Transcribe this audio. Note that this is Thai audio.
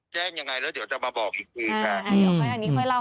แจ้งยังไงแล้วจะมาบอกอีกครับ